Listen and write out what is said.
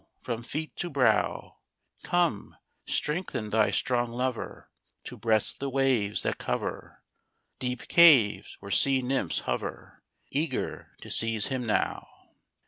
From feet to brow, Come, strengthen thy strong lover To breast the waves that cover Deep caves where sea nymphs hover, Eager to seize him now.